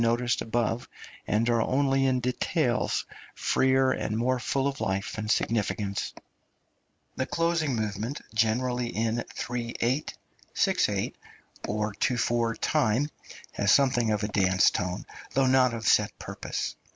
} (295) noticed above, and are only in details freer and more full of life and significance. The closing movement, generally in 3 8, 6 8, or 2 4 time, has something of a dance tone, though not of set purpose.